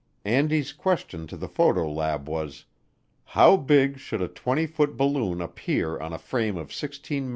Andy's question to the photo lab was, "How big should a 20 foot balloon appear on a frame of 16 mm.